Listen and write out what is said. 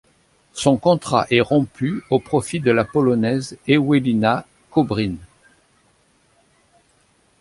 Son contrat est rompu au profit de la polonaise Ewelina Kobryn.